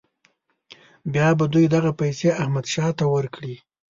بیا به دوی دغه پیسې احمدشاه ته ورکړي.